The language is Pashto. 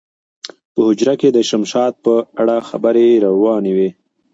په حجره کې د شمشاد په اړه خبرې روانې وې.